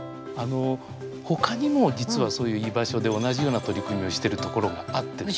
ほかにも実はそういう居場所で同じような取り組みをしてるところがあってですね。